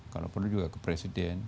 kalau perlu juga ke presiden